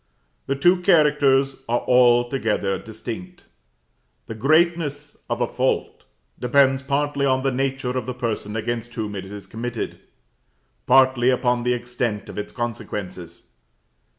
The two characters are altogether distinct. The greatness of a fault depends partly on the nature of the person against whom it is committed, partly upon the extent of its consequences.